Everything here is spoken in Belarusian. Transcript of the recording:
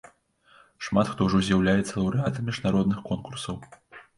Шмат хто ўжо з'яўляецца лаўрэатам міжнародных конкурсаў.